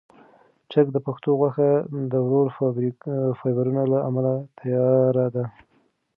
چرګ د پښو غوښه د ورو فایبرونو له امله تیاره ده.